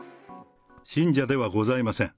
信者ではございません。